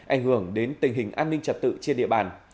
ảnh hưởng đến tình hình an ninh trật tự trên địa bàn